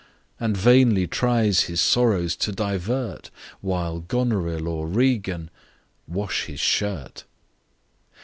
" And vainly tries his sorrows to divert, While Goneril or Regan wash his shirt!